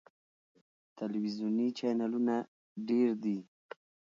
ټلویزیوني چینلونه ډیر دي.